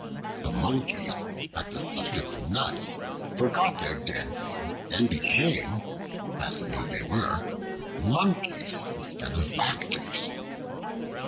The Monkeys at the sight of the nuts forgot their dancing and became (as indeed they were) Monkeys instead of actors.